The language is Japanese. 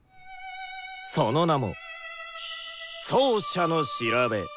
その名も「奏者のしらべ」！